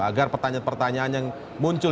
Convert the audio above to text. agar pertanyaan pertanyaan yang muncul